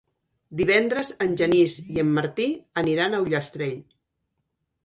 Divendres en Genís i en Martí aniran a Ullastrell.